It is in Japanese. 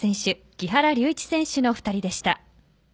木原龍一選手の２人でした。